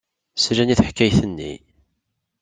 Slan i teḥkayt-nni.